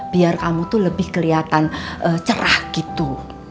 biar kamu tuh lebih kelihatan cerah gitu